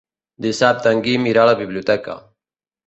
Dissabte en Guim irà a la biblioteca.